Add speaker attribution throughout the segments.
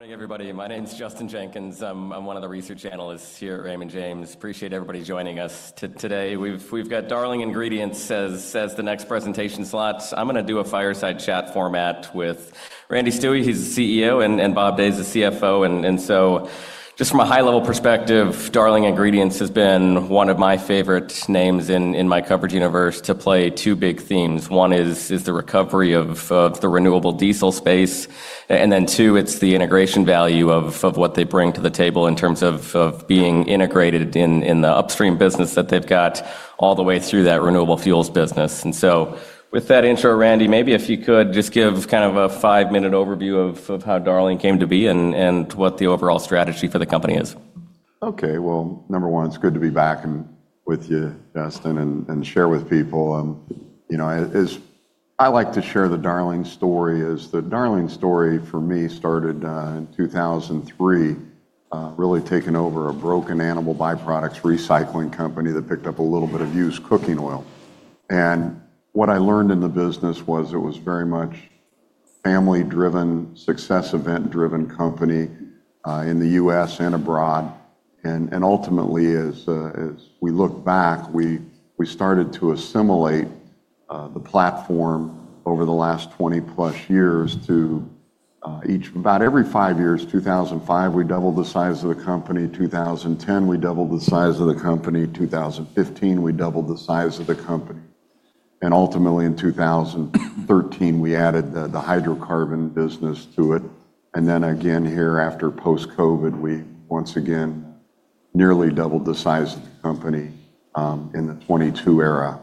Speaker 1: Hey everybody. My name's Justin Jenkins. I'm one of the research analysts here at Raymond James. Appreciate everybody joining us today. We've got Darling Ingredients as the next presentation slot. I'm gonna do a fireside chat format with Randy Stuewe, he's the CEO, and Bob Day is the CFO. Just from a high level perspective, Darling Ingredients has been one of my favorite names in my coverage universe to play two big themes. One is the recovery of the renewable diesel space. And then two, it's the integration value of what they bring to the table in terms of being integrated in the upstream business that they've got all the way through that renewable fuels business. With that intro, Randy, maybe if you could just give kind of a five-minute overview of how Darling came to be and what the overall strategy for the company is.
Speaker 2: Okay. Well, number one, it's good to be back and with you, Justin, and share with people. You know, as I like to share the Darling story is the Darling story for me started in 2003, really taking over a broken animal byproducts recycling company that picked up a little bit of used cooking oil. What I learned in the business was it was very much family-driven, success event-driven company in the U.S. and abroad. Ultimately as we look back, we started to assimilate the platform over the last 20+ years. About every five years, 2005, we doubled the size of the company. 2010, we doubled the size of the company. 2015, we doubled the size of the company. Ultimately, in 2013, we added the hydrocarbon business to it. Again here after post-COVID, we once again nearly doubled the size of the company in the 2022 era.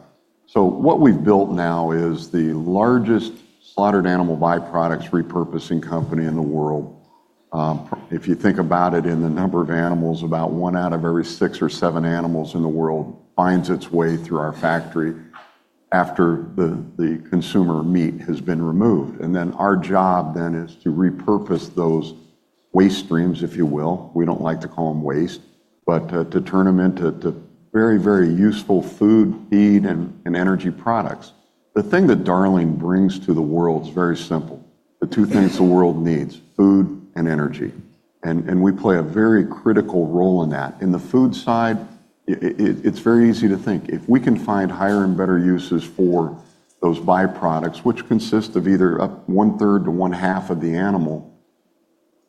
Speaker 2: What we've built now is the largest slaughtered animal byproducts repurposing company in the world. If you think about it in the number of animals, about one out of every six or seven animals in the world finds its way through our factory after the consumer meat has been removed. Our job then is to repurpose those waste streams, if you will. We don't like to call them waste, but to turn them into very, very useful food, feed, and energy products. The thing that Darling brings to the world is very simple, the two things the world needs, food and energy, and we play a very critical role in that. In the food side, it's very easy to think. If we can find higher and better uses for those byproducts, which consist of either a one-third to one-half of the animal,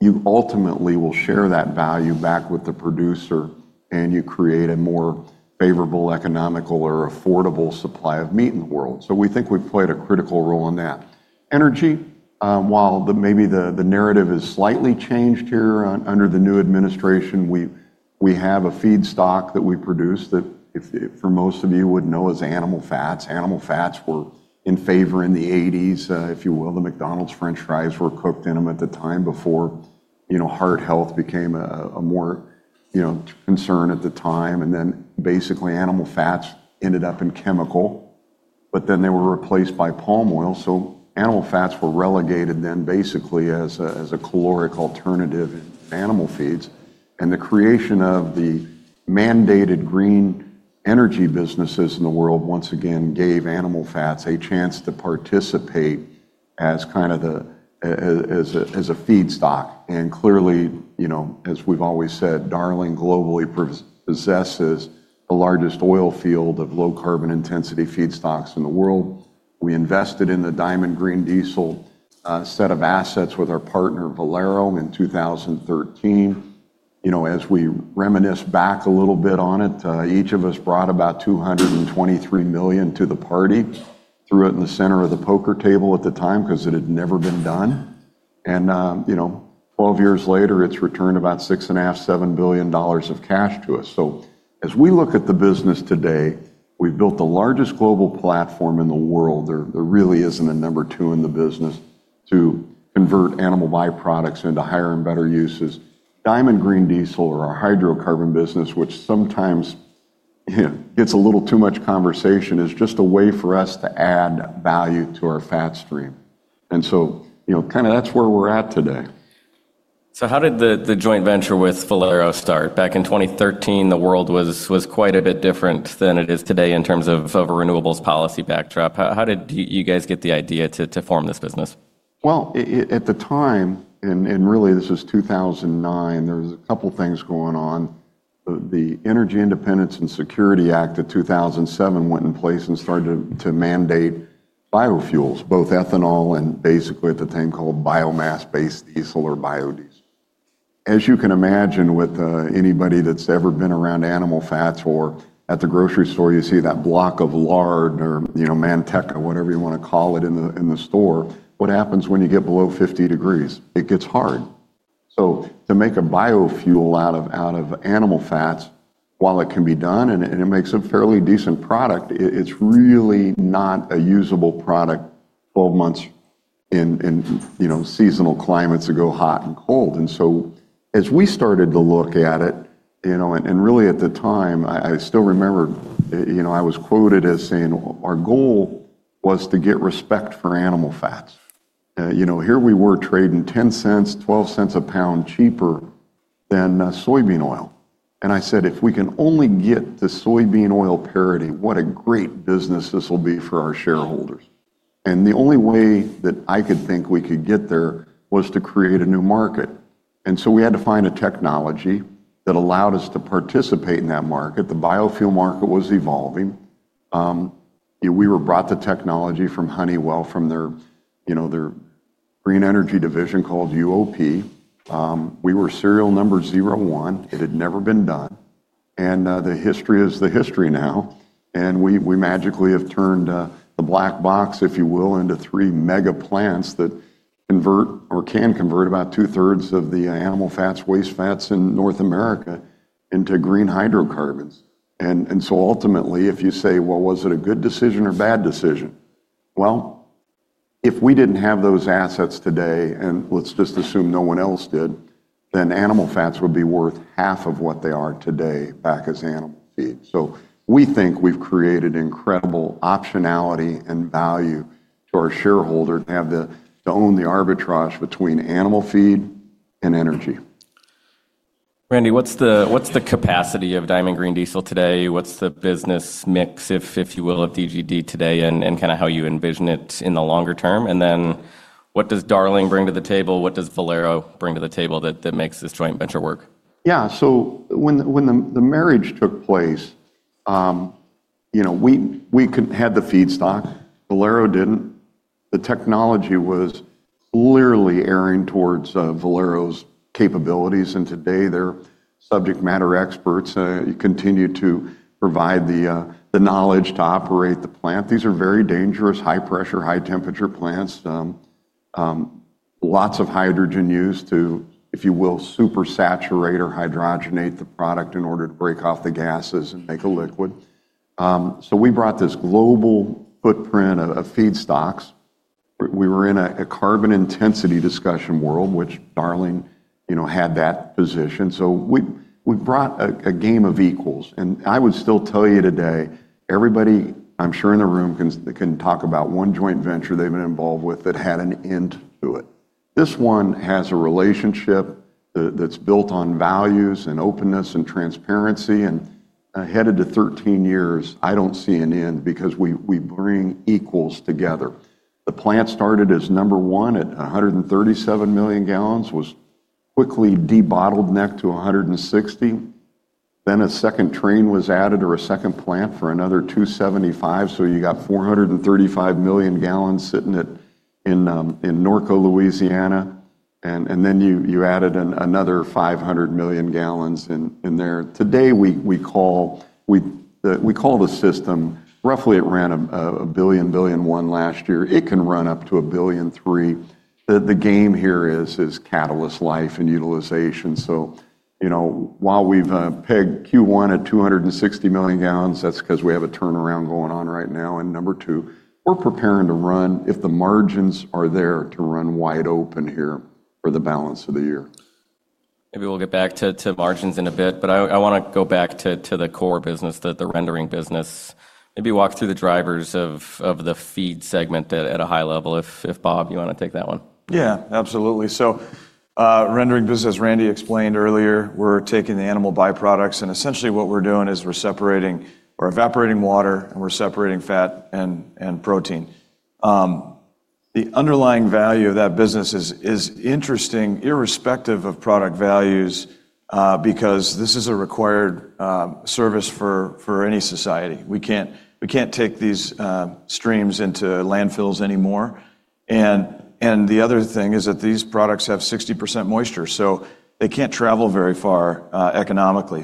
Speaker 2: you ultimately will share that value back with the producer, and you create a more favorable economical or affordable supply of meat in the world. We think we've played a critical role in that. Energy, while the narrative has slightly changed here under the new administration, we have a feedstock that we produce that if for most of you would know as animal fats. Animal fats were in favor in the '80s, if you will. The McDonald's french fries were cooked in them at the time before, you know, heart health became a more, you know, concern at the time. Basically animal fats ended up in chemical, they were replaced by palm oil. Animal fats were relegated then basically as a caloric alternative in animal feeds. The creation of the mandated green energy businesses in the world once again gave animal fats a chance to participate as kind of the as a feedstock. Clearly, you know, as we've always said, Darling globally possesses the largest oil field of low carbon intensity feedstocks in the world. We invested in the Diamond Green Diesel set of assets with our partner Valero in 2013. You know, as we reminisce back a little bit on it, each of us brought about $223 million to the party, threw it in the center of the poker table at the time 'cause it had never been done. You know, 12 years later, it's returned about $6.5 billion-$7 billion of cash to us. As we look at the business today, we've built the largest global platform in the world. There really isn't a number two in the business to convert animal byproducts into higher and better uses. Diamond Green Diesel or our hydrocarbon business, which sometimes gets a little too much conversation, is just a way for us to add value to our fat stream. You know, kinda that's where we're at today.
Speaker 1: How did the joint venture with Valero start? Back in 2013, the world was quite a bit different than it is today in terms of a renewables policy backdrop. How did you guys get the idea to form this business?
Speaker 2: Well, at the time, and really this was 2009, there was a couple things going on. The Energy Independence and Security Act of 2007 went in place and started to mandate biofuels, both ethanol and basically at the time called biomass-based diesel or biodiesel. As you can imagine with anybody that's ever been around animal fats or at the grocery store, you see that block of lard or, you know, Manteca, whatever you wanna call it in the store, what happens when you get below 50 degrees? It gets hard. To make a biofuel out of animal fats, while it can be done and it makes a fairly decent product, it's really not a usable product 12 months in, you know, seasonal climates that go hot and cold. As we started to look at it, you know, and really at the time, I still remember, you know, I was quoted as saying our goal was to get respect for animal fats. You know, here we were trading $0.10, $0.12 a pound cheaper than soybean oil. I said, "If we can only get the soybean oil parity, what a great business this will be for our shareholders." The only way that I could think we could get there was to create a new market. We had to find a technology that allowed us to participate in that market. The biofuel market was evolving. We were brought the technology from Honeywell, from their, you know, their green energy division called UOP. We were serial number 01. It had never been done. The history is the history now, and we magically have turned the black box, if you will, into three mega plants that convert or can convert about two-thirds of the animal fats, waste fats in North America into green hydrocarbons. Ultimately, if you say, "Was it a good decision or bad decision?" If we didn't have those assets today, and let's just assume no one else did, then animal fats would be worth half of what they are today back as animal feed. We think we've created incredible optionality and value to our shareholder to have, to own the arbitrage between animal feed and energy.
Speaker 1: Randy, what's the capacity of Diamond Green Diesel today? What's the business mix, if you will, of DGD today and kinda how you envision it in the longer term? Then what does Darling bring to the table? What does Valero bring to the table that makes this joint venture work?
Speaker 2: Yeah. When the marriage took place, you know, we had the feedstock, Valero didn't. The technology was clearly erring towards Valero's capabilities, today their subject matter experts continue to provide the knowledge to operate the plant. These are very dangerous, high pressure, high temperature plants. Lots of hydrogen used to, if you will, super saturate or hydrogenate the product in order to break off the gases and make a liquid. We brought this global footprint of feedstocks. We were in a carbon intensity discussion world, which Darling, you know, had that position. We brought a game of equals. I would still tell you today, everybody I'm sure in the room can talk about one joint venture they've been involved with that had an end to it. This one has a relationship that's built on values and openness and transparency, and headed to 13 years, I don't see an end because we bring equals together. The plant started as number one at 137 million gallons, was quickly de-bottlenecked to 160. Then a second train was added or a second plant for another 275, so you got 435 million gallons sitting in Norco, Louisiana. Then you added another 500 million gallons in there. Today we call the system roughly it ran 1 billion, 1.1 billion last year. It can run up to $1.3 billion. The game here is catalyst life and utilization. You know, while we've pegged Q1 at 260 million gallons, that's 'cause we have a turnaround going on right now. Number two, we're preparing to run if the margins are there to run wide open here for the balance of the year.
Speaker 1: Maybe we'll get back to margins in a bit. I wanna go back to the core business, the rendering business. Maybe walk through the drivers of the feed segment at a high level if Bob, you wanna take that one.
Speaker 3: Yeah. Absolutely. Rendering business, as Randy explained earlier, we're taking the animal byproducts and essentially what we're doing is we're separating. We're evaporating water, and we're separating fat and protein. The underlying value of that business is interesting irrespective of product values, because this is a required service for any society. We can't take these streams into landfills anymore. The other thing is that these products have 60% moisture, so they can't travel very far economically.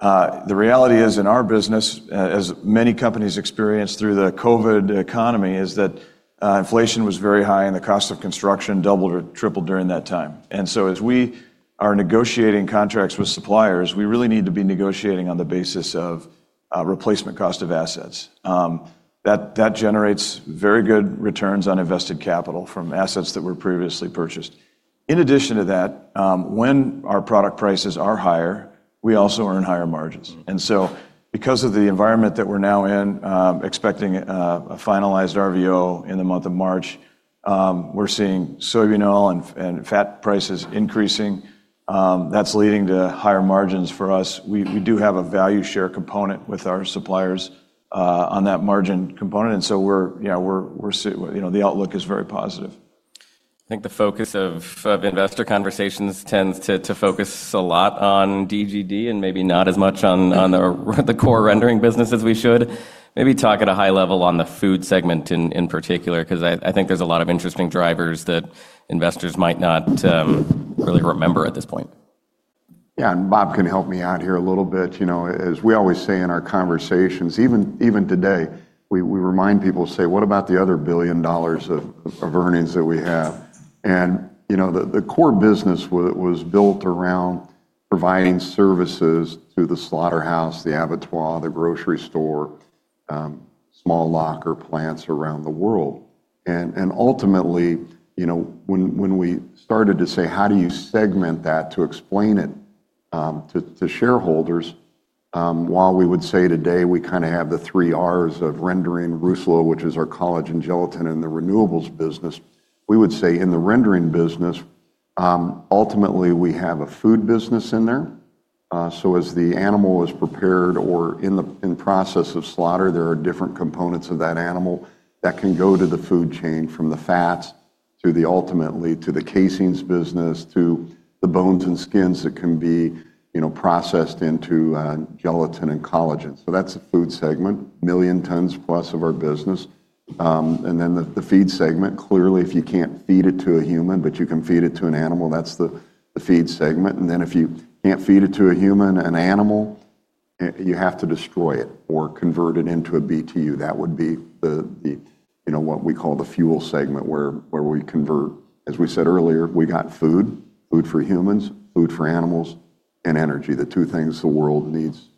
Speaker 3: The reality is in our business, as many companies experienced through the COVID economy, is that inflation was very high and the cost of construction doubled or tripled during that time. As we are negotiating contracts with suppliers, we really need to be negotiating on the basis of replacement cost of assets. That generates very good returns on invested capital from assets that were previously purchased. In addition to that, when our product prices are higher, we also earn higher margins.
Speaker 1: Mm-hmm.
Speaker 3: Because of the environment that we're now in, expecting a finalized RVO in the month of March, we're seeing soybean oil and fat prices increasing. That's leading to higher margins for us. We, we do have a value share component with our suppliers on that margin component, and so we're, you know, the outlook is very positive.
Speaker 1: I think the focus of investor conversations tends to focus a lot on DGD and maybe not as much on the core rendering business as we should. Maybe talk at a high level on the food segment in particular, 'cause I think there's a lot of interesting drivers that investors might not really remember at this point.
Speaker 2: Yeah. Bob can help me out here a little bit. You know, as we always say in our conversations, even today, we remind people, say, "What about the other $1 billion of earnings that we have?" You know, the core business was built around providing services through the slaughterhouse, the abattoir, the grocery store, small locker plants around the world. Ultimately, you know, when we started to say, how do you segment that to explain it to shareholders. While we would say today we kind of have the 3 Rs of rendering Rousselot, which is our collagen gelatin in the renewables business, we would say in the rendering business, ultimately we have a food business in there. As the animal is prepared or in process of slaughter, there are different components of that animal that can go to the food chain from the fats through the ultimately to the casings business to the bones and skins that can be, you know, processed into gelatin and collagen. That's the food segment, million tons plus of our business. The feed segment, clearly if you can't feed it to a human, but you can feed it to an animal, that's the feed segment. If you can't feed it to a human, an animal, you have to destroy it or convert it into a BTU. That would be, you know, what we call the fuel segment where we convert. As we said earlier, we got food for humans, food for animals, and energy, the two things the world needs.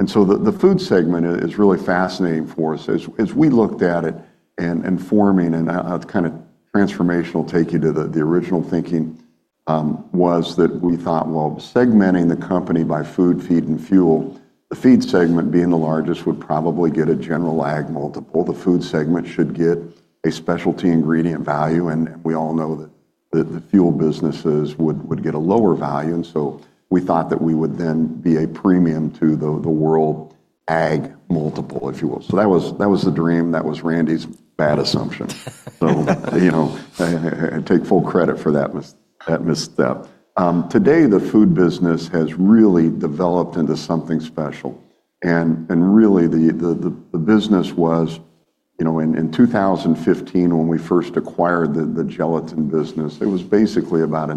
Speaker 2: The food segment is really fascinating for us. As we looked at it and forming, I'll kind of transformational take you to the original thinking, was that we thought, well, segmenting the company by food, feed, and fuel, the feed segment being the largest would probably get a general ag multiple. The food segment should get a specialty ingredient value, and we all know that the fuel businesses would get a lower value. We thought that we would then be a premium to the world ag multiple, if you will. That was, that was the dream. That was Randy's bad assumption. You know, I take full credit for that misstep. Today, the food business has really developed into something special. Really the business was, you know, in 2015 when we first acquired the gelatin business, it was basically about a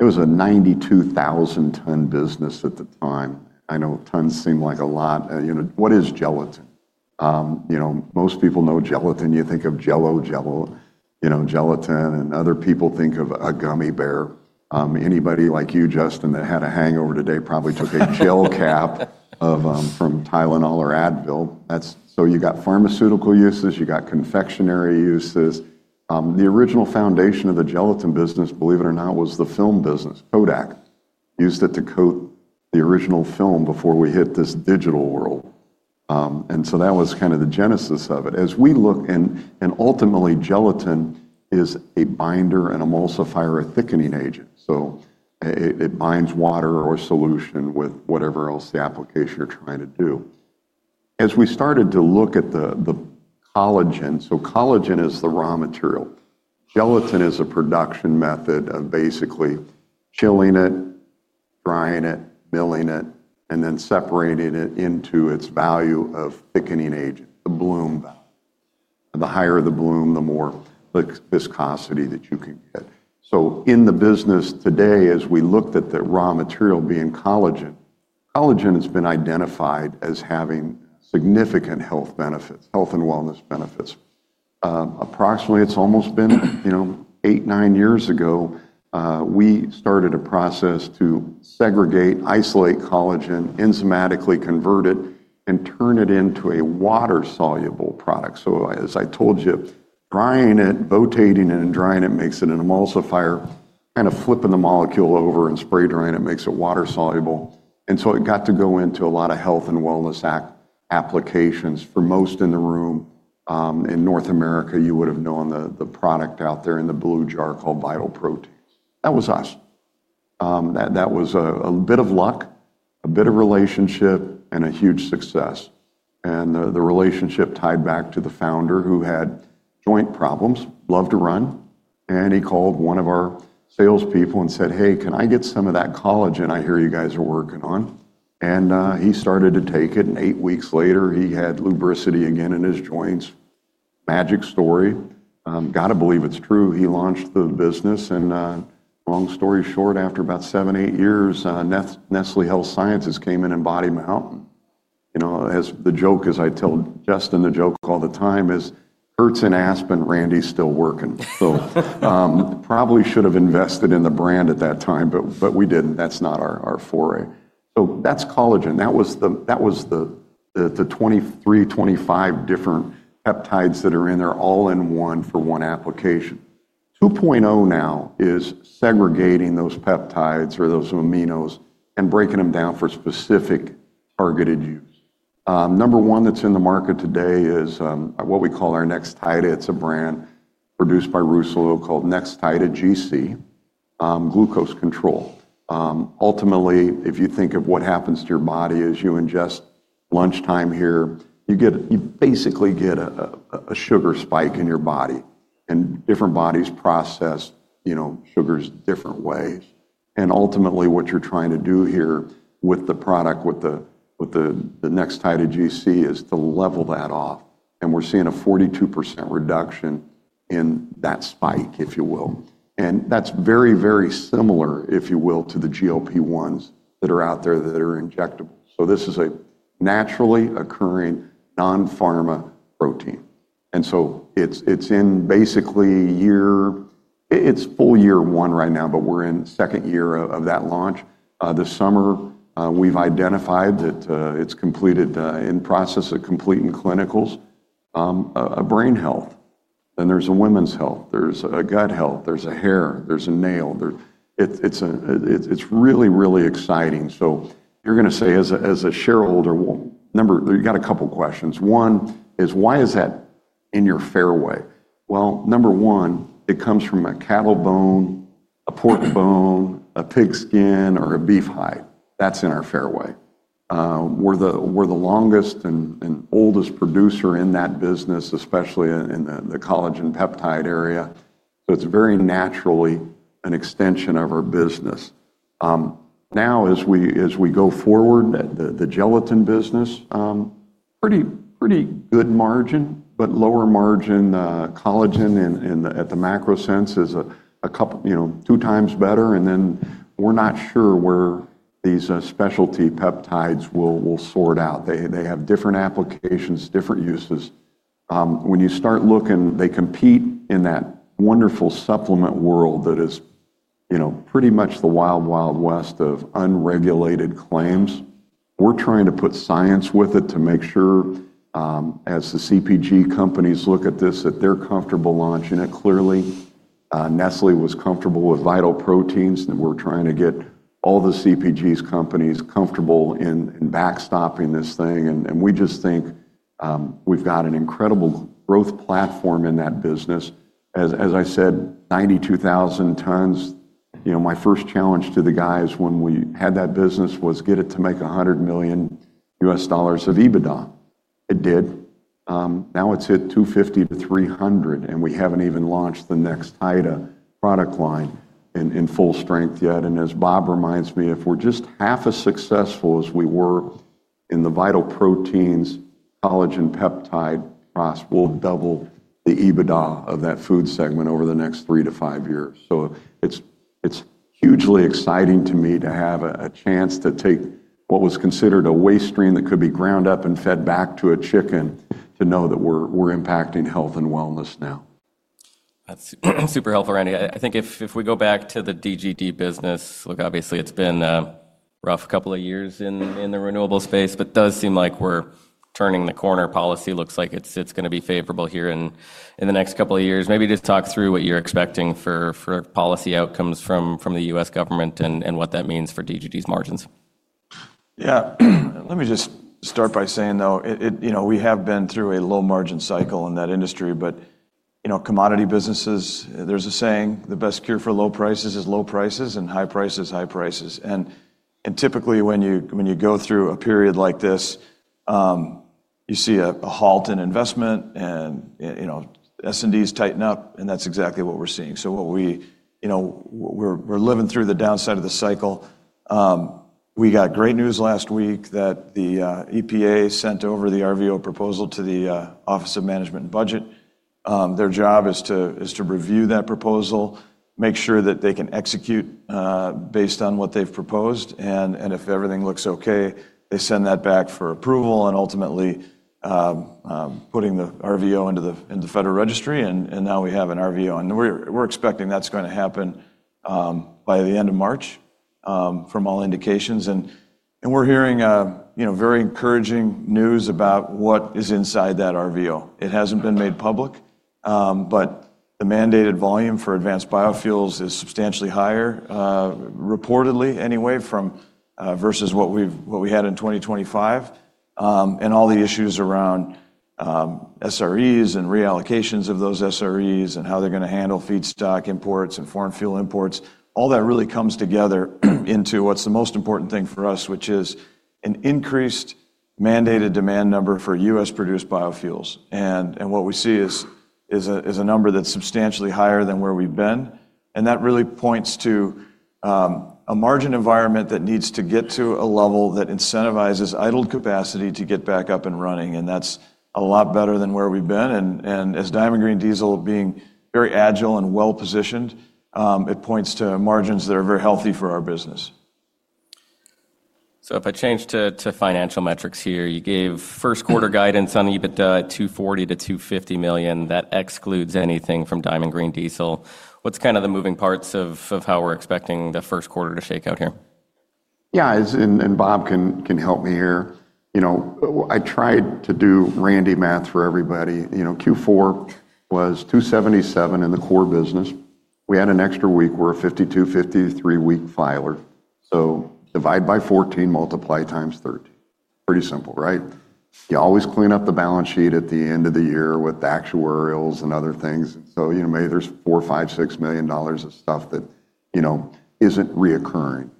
Speaker 2: 92,000 tons business at the time. I know tons seem like a lot. You know, what is gelatin? You know, most people know gelatin. You think of JELL-O, JELL-O, you know, gelatin, and other people think of a gummy bear. Anybody like you, Justin, that had a hangover today probably took a gel cap of Tylenol or Advil. You got pharmaceutical uses. You got confectionary uses. The original foundation of the gelatin business, believe it or not, was the film business. Kodak used it to coat the original film before we hit this digital world. That was kind of the genesis of it. As we look and ultimately gelatin is a binder, an emulsifier, a thickening agent. It binds water or solution with whatever else the application you're trying to do. As we started to look at the collagen is the raw material. Gelatin is a production method of basically chilling it, drying it, milling it, and then separating it into its value of thickening agent, the bloom. The higher the bloom, the more viscosity that you can get. In the business today, as we looked at the raw material being collagen has been identified as having significant health benefits, health and wellness benefits. Approximately it's almost been, you know, eight, nine years ago, we started a process to segregate, isolate collagen, enzymatically convert it, and turn it into a water-soluble product. As I told you, drying it, rotating it, and drying it makes it an emulsifier, kind of flipping the molecule over and spray drying it makes it water-soluble. It got to go into a lot of health and wellness applications. For most in the room, in North America, you would have known the product out there in the blue jar called Vital Proteins. That was us. That was a bit of luck, a bit of relationship, and a huge success. The relationship tied back to the founder who had joint problems, loved to run, and he called one of our salespeople and said, "Hey, can I get some of that collagen I hear you guys are working on?" He started to take it, and eight weeks later, he had lubricity again in his joints. Magic story. Gotta believe it's true. He launched the business, long story short, after about seven to eight years, Nestlé Health Science came in and bought him out. You know, as the joke, as I tell Justin the joke all the time is, "Hertz in Aspen, Randy's still working." Probably should have invested in the brand at that time, but we didn't. That's not our foray. That's collagen. That was the 23-25 different peptides that are in there all in one for one application. 2.0 now is segregating those peptides or those aminos and breaking them down for specific targeted use. Number one that's in the market today is what we call our Nextida. It's a brand produced by Rousselot called Nextida GC, glucose control. Ultimately, if you think of what happens to your body as you ingest lunchtime here, you basically get a sugar spike in your body, and different bodies process, you know, sugars different ways. Ultimately, what you're trying to do here with the product, with the Nextida GC is to level that off, and we're seeing a 42% reduction in that spike, if you will. That's very, very similar, if you will, to the GLP-1s that are out there that are injectable. This is a naturally occurring non-pharma protein. It's in basically full year one right now, but we're in second year of that launch. This summer, we've identified that it's completed in process of completing clinicals, brain health. Then there's a women's health, there's a gut health, there's a hair, there's a nail. It's really, really exciting. You're gonna say as a shareholder, well, number. You got two questions. One is, why is that in your fairway? Well, number one, it comes from a cattle bone, a pork bone, a pig skin or a beef hide. That's in our fairway. We're the longest and oldest producer in that business, especially in the collagen peptide area. It's very naturally an extension of our business. Now as we go forward, the gelatin business, pretty good margin, but lower margin, collagen at the macro sense is a, you know, 2x better. We're not sure where these specialty peptides will sort out. They have different applications, different uses. When you start looking, they compete in that wonderful supplement world that is, you know, pretty much the wild west of unregulated claims. We're trying to put science with it to make sure as the CPG companies look at this, that they're comfortable launching it clearly. Nestlé was comfortable with Vital Proteins, we're trying to get all the CPGs companies comfortable in backstopping this thing. We just think we've got an incredible growth platform in that business. As I said, 92,000 tons. You know, my first challenge to the guys when we had that business was get it to make $100 million of EBITDA. It did. Now it's hit $250 million-$300 million. We haven't even launched the Nextida product line in full strength yet. As Bob reminds me, if we're just half as successful as we were in the Vital Proteins collagen peptide cross, we'll double the EBITDA of that food segment over the next three to five years. It's hugely exciting to me to have a chance to take what was considered a waste stream that could be ground up and fed back to a chicken to know that we're impacting health and wellness now.
Speaker 1: That's super helpful, Randy. I think if we go back to the DGD business, look, obviously it's been a rough couple of years in the renewable space, but does seem like we're turning the corner. Policy looks like it's gonna be favorable here in the next couple of years. Maybe just talk through what you're expecting for policy outcomes from the U.S. government and what that means for DGD's margins.
Speaker 2: Yeah. Let me just start by saying, though, it, you know, we have been through a low margin cycle in that industry, but, you know, commodity businesses, there's a saying, the best cure for low prices is low prices, and high prices, high prices. Typically, when you go through a period like this, you see a halt in investment and, you know, S&Ds tighten up, and that's exactly what we're seeing. You know, we're living through the downside of the cycle. We got great news last week that the EPA sent over the RVO proposal to the Office of Management and Budget. Their job is to review that proposal, make sure that they can execute based on what they've proposed, and if everything looks okay, they send that back for approval and ultimately putting the RVO into the federal registry, and now we have an RVO. We're expecting that's gonna happen by the end of March from all indications. We're hearing, you know, very encouraging news about what is inside that RVO. It hasn't been made public, but the mandated volume for advanced biofuels is substantially higher, reportedly anyway, versus what we had in 2025. All the issues around SREs and reallocations of those SREs and how they're gonna handle feedstock imports and foreign fuel imports, all that really comes together into what's the most important thing for us, which is an increased mandated demand number for U.S.-produced biofuels. What we see is a number that's substantially higher than where we've been. That really points to a margin environment that needs to get to a level that incentivizes idled capacity to get back up and running, and that's a lot better than where we've been. As Diamond Green Diesel being very agile and well-positioned, it points to margins that are very healthy for our business.
Speaker 1: If I change to financial metrics here, you gave first quarter guidance on EBITDA at $240 million-$250 million. That excludes anything from Diamond Green Diesel. What's kinda the moving parts of how we're expecting the first quarter to shake out here?
Speaker 2: Yeah. And Bob can help me here. You know, I tried to do Randy math for everybody. You know, Q4 was $277 in the core business. We had an extra week. We're a 52, 53-week filer. Divide by 14, multiply times 30. Pretty simple, right? You always clean up the balance sheet at the end of the year with the actuarials and other things. You know, maybe there's $4 million, $5 million, $6 million of stuff that, you know, isn't recurring.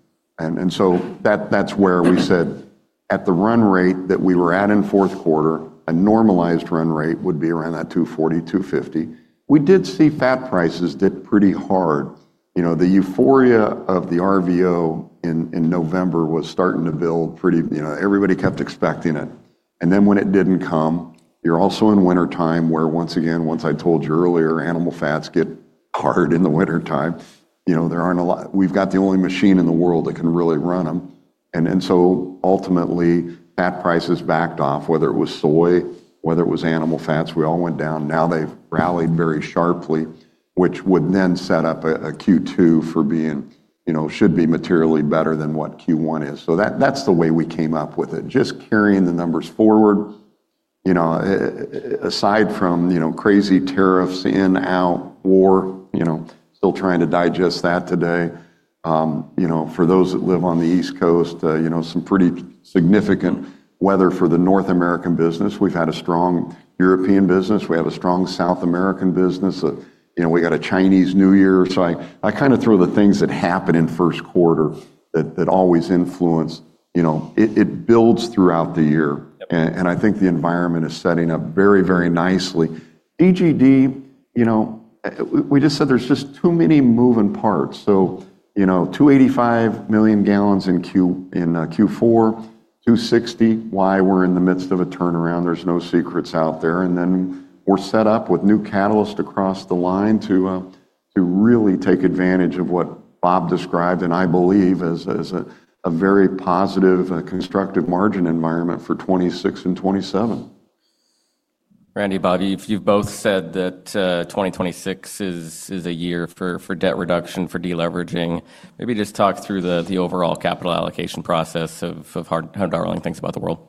Speaker 2: So that's where we said at the run rate that we were at in fourth quarter, a normalized run rate would be around that $240-$250. We did see fat prices dip pretty hard. You know, the euphoria of the RVO in November was starting to build. You know, everybody kept expecting it. When it didn't come, you're also in wintertime, where once again, once I told you earlier, animal fats get hard in the wintertime. You know, there aren't a lot. We've got the only machine in the world that can really run them. Ultimately, fat prices backed off, whether it was soy, whether it was animal fats. We all went down. Now they've rallied very sharply. Which would then set up a Q2 for being, you know, should be materially better than what Q1 is. That, that's the way we came up with it. Just carrying the numbers forward, you know, aside from, you know, crazy tariffs in, out, war, you know. Still trying to digest that today. You know, for those that live on the East Coast, you know, some pretty significant weather for the North American business. We've had a strong European business. We have a strong South American business. You know, we got a Chinese New Year. I kinda throw the things that happened in first quarter that always influence, you know. It, it builds throughout the year.
Speaker 1: Yep.
Speaker 2: I think the environment is setting up very, very nicely. DGD, you know, we just said there's just too many moving parts. You know, 285 million gallons in Q4, 260. Why? We're in the midst of a turnaround. There's no secrets out there. We're set up with new catalyst across the line to really take advantage of what Bob described, and I believe is a very positive and constructive margin environment for 2026 and 2027.
Speaker 1: Randy, Bob, you've both said that 2026 is a year for debt reduction, for de-leveraging. Maybe just talk through the overall capital allocation process of how Darling thinks about the world?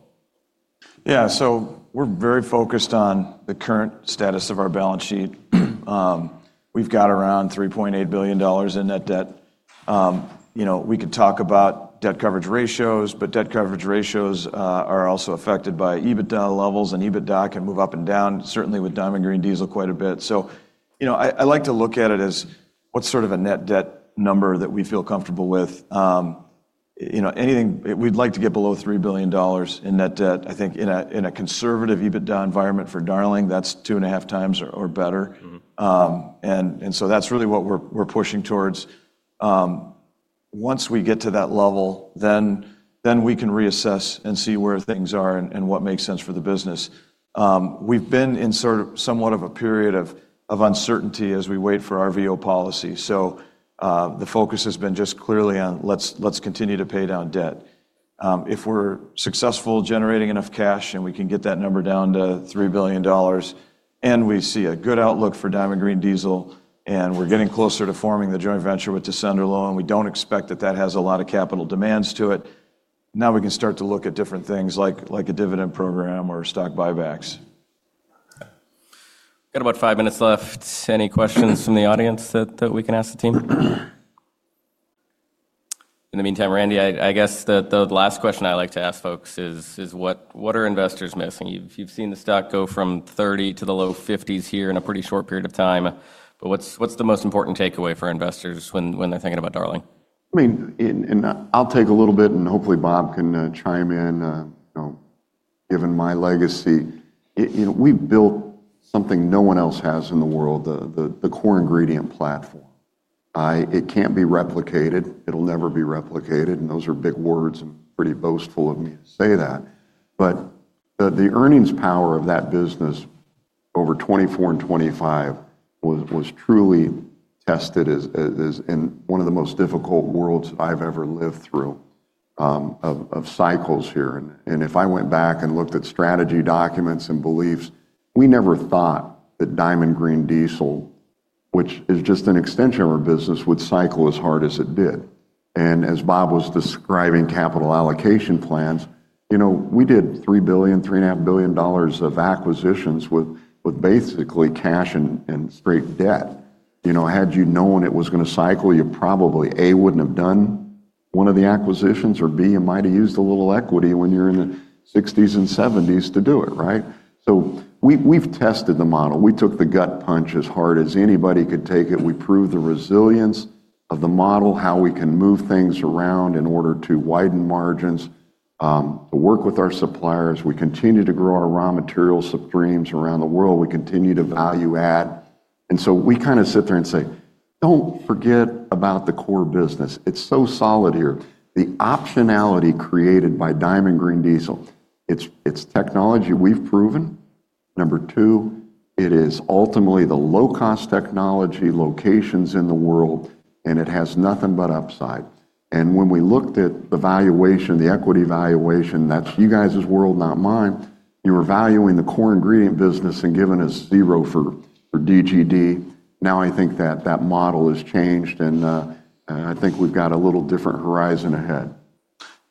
Speaker 3: We're very focused on the current status of our balance sheet. We've got around $3.8 billion in net debt. You know, we could talk about debt coverage ratios, but debt coverage ratios are also affected by EBITDA levels, and EBITDA can move up and down, certainly with Diamond Green Diesel quite a bit. You know, I like to look at it as what's sort of a net debt number that we feel comfortable with. You know, we'd like to get below $3 billion in net debt. I think in a, in a conservative EBITDA environment for Darling, that's 2.5 times or better.
Speaker 1: Mm-hmm.
Speaker 3: That's really what we're pushing towards. Once we get to that level, then we can reassess and see where things are and what makes sense for the business. We've been in sort of somewhat of a period of uncertainty as we wait for RVO policy. The focus has been just clearly on let's continue to pay down debt. If we're successful generating enough cash and we can get that number down to $3 billion, and we see a good outlook for Diamond Green Diesel, and we're getting closer to forming the joint venture with Tessenderlo, and we don't expect that has a lot of capital demands to it, now we can start to look at different things like a dividend program or stock buybacks.
Speaker 1: Got about five minutes left. Any questions from the audience that we can ask the team? In the meantime, Randy, I guess the last question I like to ask folks is what are investors missing? You've seen the stock go from 30 to the low 50s here in a pretty short period of time. What's the most important takeaway for investors when they're thinking about Darling?
Speaker 2: I mean, and I'll take a little bit, and hopefully Bob can chime in, you know, given my legacy. We've built something no one else has in the world, the core ingredient platform. It can't be replicated. It'll never be replicated. Those are big words and pretty boastful of me to say that. The earnings power of that business over 2024 and 2025 was truly tested as in one of the most difficult worlds I've ever lived through, of cycles here. If I went back and looked at strategy documents and beliefs, we never thought that Diamond Green Diesel, which is just an extension of our business, would cycle as hard as it did. As Bob was describing capital allocation plans, you know, we did $3 billion-$3.5 billion of acquisitions with basically cash and straight debt. You know, had you known it was gonna cycle, you probably, A, wouldn't have done one of the acquisitions, or B, you might have used a little equity when you're in the 60s and 70s to do it, right? We've tested the model. We took the gut punch as hard as anybody could take it. We proved the resilience of the model, how we can move things around in order to widen margins, work with our suppliers. We continue to grow our raw material streams around the world. We continue to value add. We kinda sit there and say, "Don't forget about the core business. It's so solid here." The optionality created by Diamond Green Diesel, it's technology we've proven. Number 2, it is ultimately the low-cost technology locations in the world. It has nothing but upside. When we looked at the valuation, the equity valuation, that's you guys' world, not mine. You were valuing the core ingredient business and giving us 0 for DGD. Now I think that model has changed. I think we've got a little different horizon ahead.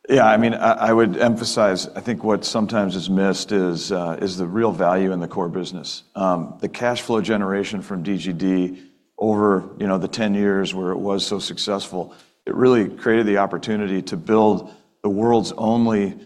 Speaker 3: Yeah, I mean, I would emphasize, I think what sometimes is missed is the real value in the core business. The cash flow generation from DGD over, you know, the 10 years where it was so successful, it really created the opportunity to build the world's only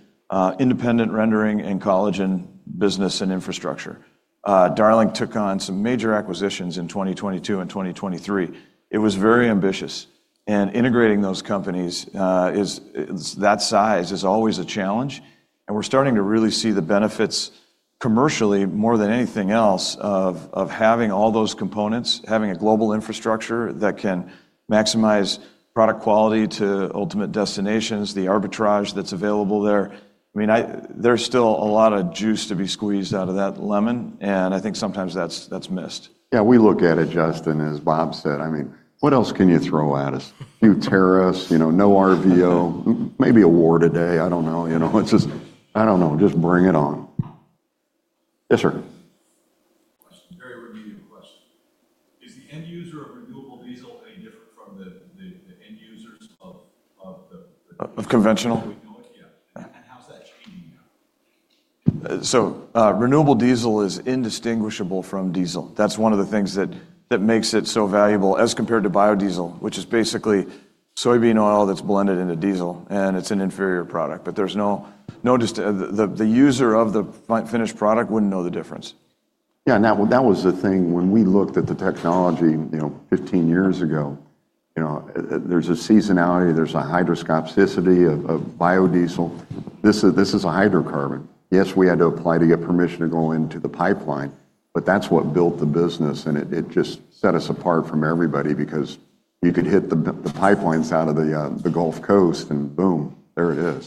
Speaker 3: independent rendering and collagen business and infrastructure. Darling took on some major acquisitions in 2022 and 2023. It was very ambitious. Integrating those companies, that size is always a challenge. We're starting to really see the benefits commercially, more than anything else, of having all those components, having a global infrastructure that can maximize product quality to ultimate destinations, the arbitrage that's available there. I mean, there's still a lot of juice to be squeezed out of that lemon, and I think sometimes that's missed.
Speaker 2: Yeah, we look at it, Justin, as Bob said. I mean, what else can you throw at us? A few tariffs, you know, no RVO, maybe a war today. I don't know, you know? It's just. I don't know. Just bring it on. Yes, sir.
Speaker 4: Question. Very remedial question. Is the end user of renewable diesel any different from the end users of the-?
Speaker 2: Of conventional?
Speaker 4: That we know it, yeah. How's that changing now?
Speaker 3: Renewable diesel is indistinguishable from diesel. That's one of the things that makes it so valuable as compared to biodiesel, which is basically soybean oil that's blended into diesel, and it's an inferior product. There's no, the user of the finished product wouldn't know the difference.
Speaker 2: Yeah, now that was the thing when we looked at the technology, you know, 15 years ago. You know, there's a seasonality, there's a hygroscopicity of biodiesel. This is a hydrocarbon. Yes, we had to apply to get permission to go into the pipeline, but that's what built the business and it just set us apart from everybody because you could hit the pipelines out of the Gulf Coast and boom, there it is